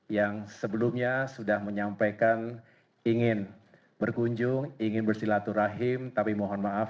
yang sebelumnya sudah menyampaikan ingin berkunjung ingin bersilaturahim tapi mohon maaf